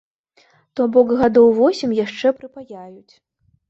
То бок гадоў восем яшчэ прыпаяюць.